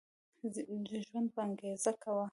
ژوند په انګيزه کوه